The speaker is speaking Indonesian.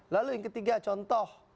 lalu yang ketiga contoh